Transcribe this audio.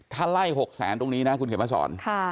ถ้าไล่๖แสนตรงนี้นะคุณเขียนมาสอน